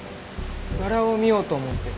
バラを見ようと思って。